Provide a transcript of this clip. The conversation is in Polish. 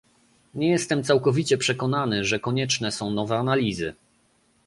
Nie jestem całkowicie przekonany, że konieczne są nowe analizy